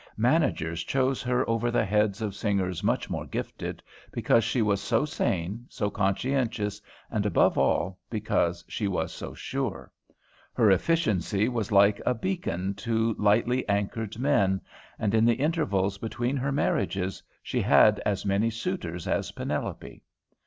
Managers chose her over the heads of singers much more gifted, because she was so sane, so conscientious, and above all, because she was so sure. Her efficiency was like a beacon to lightly anchored men, and in the intervals between her marriages she had as many suitors as Penelope.